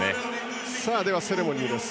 ではセレモニーです。